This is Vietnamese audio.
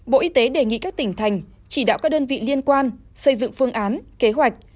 bộ y tế đề nghị các tỉnh thành chỉ đạo các đơn vị liên quan xây dựng phương án kế hoạch